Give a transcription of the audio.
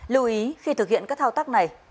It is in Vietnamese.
lưu ý khi thực hiện các thao tác này